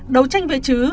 đấu tranh với trứ